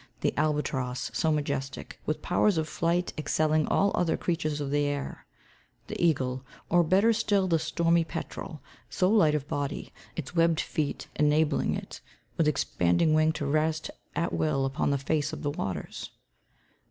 The albatross, so majestic, with powers of flight excelling all other creatures of the air; the eagle, or better still the stormy petrel, so light of body, its webbed feet enabling it, with expanding wing, to rest at will upon the face of the waters."